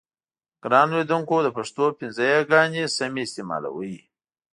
ګرانو لیکوونکو د پښتو پنځه یاګانې سمې استعمالوئ.